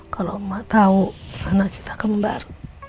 kalau emak tahu anak kita kembar